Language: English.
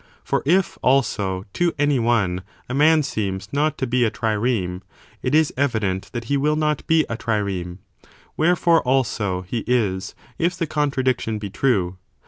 For if, also, to any one a man seems not to be a trireme, it is evident that he will not be a trireme : wherefore, also, he is, if the contradiction be true.